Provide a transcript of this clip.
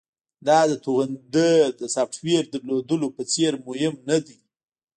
دا د توغندي د سافټویر درلودلو په څیر مهم ندی